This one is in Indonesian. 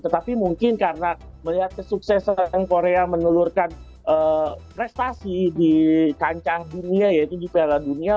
tetapi mungkin karena melihat kesuksesan korea menelurkan prestasi di kancah dunia yaitu di piala dunia